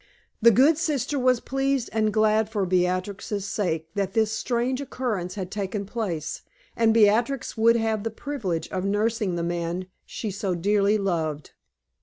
The good sister was pleased and glad for Beatrix's sake that this strange occurrence had taken place, and Beatrix would have the privilege of nursing the man she so dearly loved.